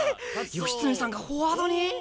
義経さんがフォワードに！？